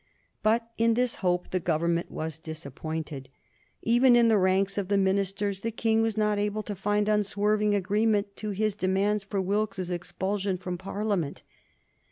But in this hope the Government were disappointed. Even in the ranks of the ministers the King was not able to find unswerving agreement to his demands for Wilkes's expulsion from Parliament.